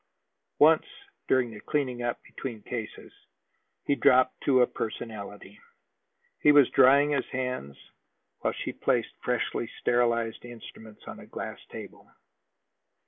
Once, during the cleaning up between cases, he dropped to a personality. He was drying his hands, while she placed freshly sterilized instruments on a glass table.